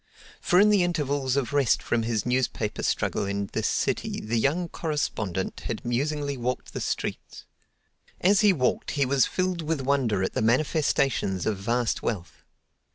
For in the intervals of rest from his newspaper struggle in this city the young correspondent had musingly walked the streets. As he walked he was filled with wonder at the manifestations of vast wealth.